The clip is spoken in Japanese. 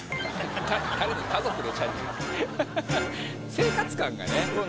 生活感がね。